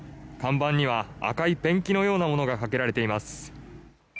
看板には赤いペンキのようなものがかけられています。